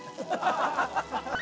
ハハハハ！